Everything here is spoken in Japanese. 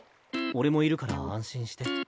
俺もいるから安心して。